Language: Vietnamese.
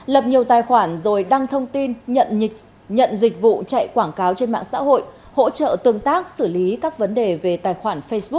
lập nhiều tài khoản rồi đăng thông tin nhận dịch vụ chạy quảng cáo trên mạng xã hội hỗ trợ tương tác xử lý các vấn đề về tài khoản facebook